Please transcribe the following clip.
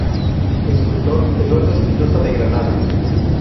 Escultor Eduardo Espinosa de Granada.